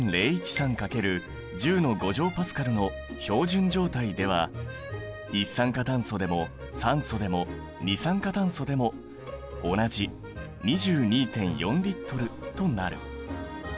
１．０１３×１０Ｐａの標準状態では一酸化炭素でも酸素でも二酸化炭素でも同じ２２．４Ｌとなる。